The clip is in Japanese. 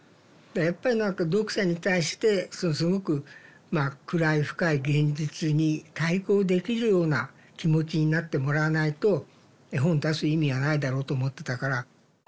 だからやっぱり何か読者に対してすごく暗い深い現実に対抗できるような気持ちになってもらわないと絵本出す意味はないだろうと思ってたから。